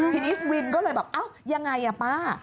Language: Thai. ทีนี้วินก็เลยแบบเอ้ายังไงอ่ะป้า